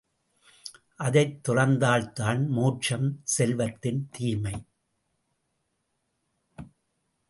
அதைத் துறந்தால்தான் மோட்சம்... செல்வத்தின் தீமை!